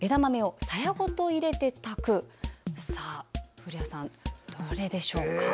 古谷さん、どれでしょうか？